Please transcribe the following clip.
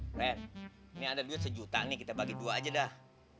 plan ini ada duit sejuta nih kita bagi dua aja dah